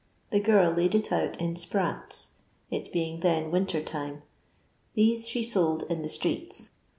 The girl laid it out in sprats (it being then winter time) ; these she sold in the streets.